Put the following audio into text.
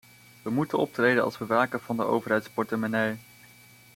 We moeten optreden als bewaker van de overheidsportemonnee.